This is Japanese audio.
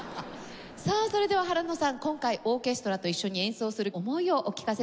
さあそれでは原野さん今回オーケストラと一緒に演奏する思いをお聞かせください。